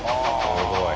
すごい。